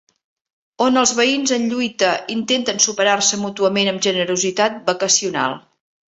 On els veïns en lluita intenten superar-se mútuament amb generositat vacacional.